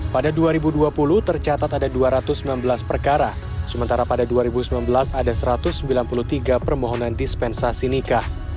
pada dua ribu dua puluh tercatat ada dua ratus sembilan belas perkara sementara pada dua ribu sembilan belas ada satu ratus sembilan puluh tiga permohonan dispensasi nikah